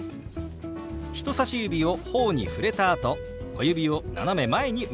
人さし指を頬に触れたあと小指を斜め前に動かします。